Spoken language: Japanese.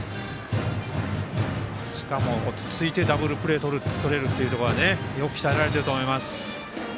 しかも、落ち着いてダブルプレーとれるっていうところがよく鍛えられてると思います。